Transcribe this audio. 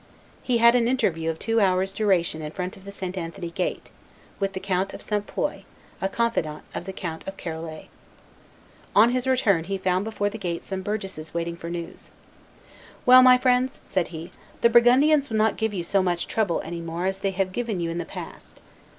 He had an interview of two hours' duration in front of the St. Anthony gate, with the Count of St. Poi, a confidant of the Count of Charolais. On his return he found before the gate some burgesses waiting for news. [Illustration: Louis XI. and Burgesses waiting for News 193] "Well, my friends," said he, "the Burgundians will not give you so much trouble any more as they have given you in the past."